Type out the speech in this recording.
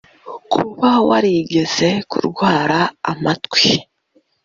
Kuba warigeze kurwara amatwi